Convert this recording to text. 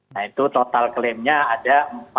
nah itu total klaimnya ada empat puluh tiga